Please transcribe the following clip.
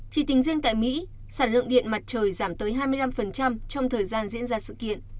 chỉ tính riêng tại mỹ sản lượng điện mặt trời giảm tới hai mươi năm trong thời gian diễn ra sự kiện